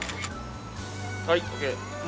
はいＯＫ何？